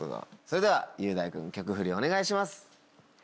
それでは雄大君曲フリお願いします。